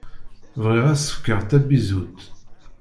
Bɣiɣ ad s-fkeɣ tabizutt.